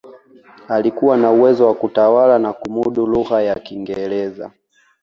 alikuwa na uwezo wa kutawala na kumudu lugha ya kiingereza